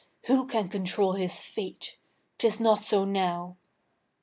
Who can control his fate? 't is not so now.